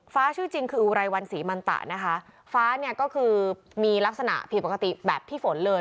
ชื่อจริงคืออุไรวันศรีมันตะนะคะฟ้าเนี่ยก็คือมีลักษณะผิดปกติแบบพี่ฝนเลย